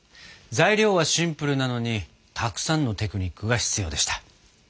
材料はシンプルなのにたくさんのテクニックが必要でした。